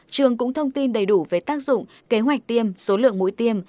trường cũng thông tin đầy đủ về tác dụng kế hoạch tiêm số lượng mũi tiêm